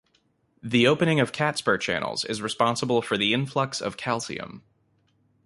The opening of CatSper channels is responsible for the influx of calcium.